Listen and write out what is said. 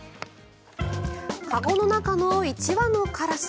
籠の中の１羽のカラス。